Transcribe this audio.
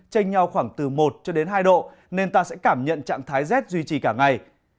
tranh nhau khoảng từ một cho đến hai độ nên ta sẽ cảm nhận trạng thái rét duy trì cả ngày